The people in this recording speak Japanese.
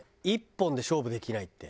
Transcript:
１本で勝負できないって。